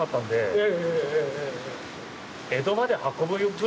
ええ。